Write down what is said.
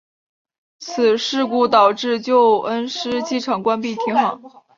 此事故导致旧恩施机场关闭停航。